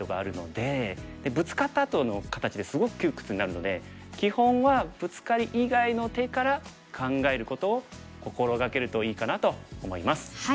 でブツカったあとの形ってすごく窮屈になるので基本はブツカリ以外の手から考えることを心掛けるといいかなと思います。